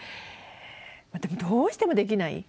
でもどうしてもできない。